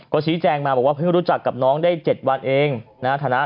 ก็ชี้แจงมาบอกว่าเพิ่งรู้จักกับน้องได้๗วันเองนะฮะ